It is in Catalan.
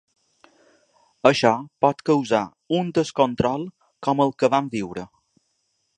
Això pot causar un descontrol com el que vam viure.